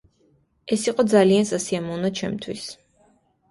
ეს იყო ძალიან სასიამოვნო ჩემთვის.